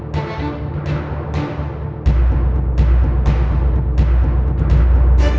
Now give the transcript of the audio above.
เป็นเพลง